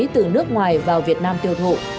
từ nước ngoài vào việt nam tiêu thụ